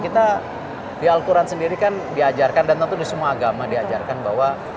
kita di al quran sendiri kan diajarkan dan tentu di semua agama diajarkan bahwa